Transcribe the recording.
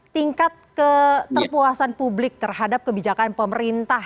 tingkat keterpuasan publik terhadap kebijakan pemerintah